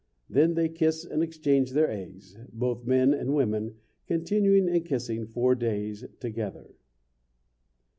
Then they kiss and exchange their eggs, both men and women continuing in kissing four days together."